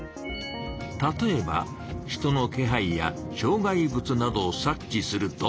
例えば人のけはいやしょう害物などを察知すると。